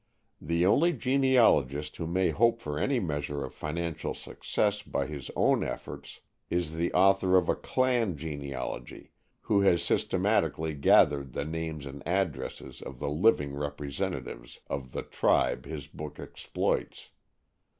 The only genealogist who may hope for any measure of financial success by his own efforts, is the author of a "clan" genealogy who has systematically gathered the names and addresses of the living representatives of the "tribe" his book exploits.